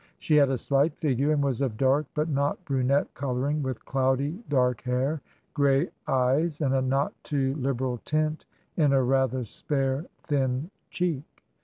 She had a slight figure, and was of dark but not brunette colouring, with cloudy dark hair, grey eyes, and a not too liberal tint in her rather spare, thin cheek.